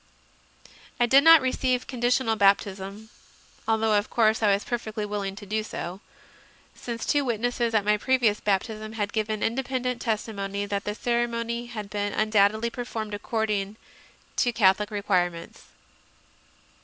I did not receive condi tional baptism although of course I was perfectly willing to do so since two witnesses at my previous baptism had given independent testimony that the ceremony had been undoubtedly performed accord ing to Catholic requirements.